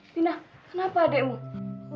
dina kenapa adekmu